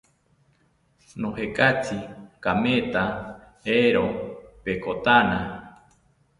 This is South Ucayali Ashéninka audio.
Nojekatzi kametha, eero petkotana